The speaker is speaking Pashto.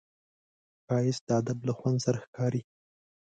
ښایست د ادب له خوند سره ښکاري